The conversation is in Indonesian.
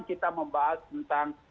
kita membahas tentang